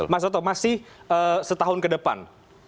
mas toto masih setahun ke depan